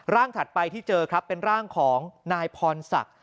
ถัดไปที่เจอครับเป็นร่างของนายพรศักดิ์